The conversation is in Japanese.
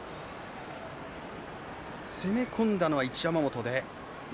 攻め込んだのは一山本です。